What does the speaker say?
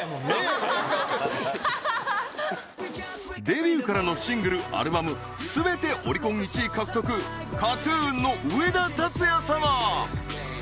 デビューからのシングルアルバム全てオリコン１位獲得ＫＡＴ−ＴＵＮの上田竜也様